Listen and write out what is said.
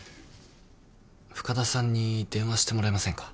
深田さんに電話してもらえませんか？